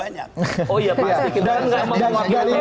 dan nggak mewakili media lain